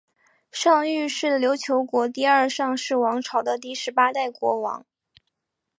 尚育是琉球国第二尚氏王朝的第十八代国王。